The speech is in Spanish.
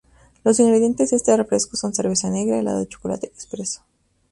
Los ingredientes de este refresco son cerveza negra, helado de chocolate y expresso.